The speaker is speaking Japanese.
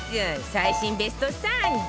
最新ベスト３０